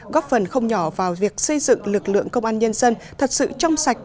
góp phần không nhỏ vào việc xây dựng lực lượng công an nhân dân thật sự trong sạch